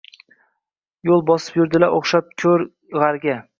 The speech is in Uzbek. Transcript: Yoʻl bosib yurdilar oʻxshab koʻr, gʻarga –